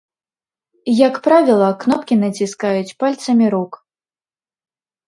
Як правіла, кнопкі націскаюць пальцамі рук.